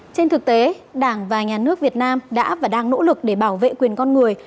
trên thực tế đảng và nhà nước việt nam đã và đang nỗ lực để bảo vệ quyền con người